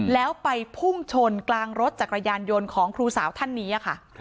แล้วไปพุ่งชนกลางรถจักรยานยนต์ของครูสาวท่านนี้ค่ะ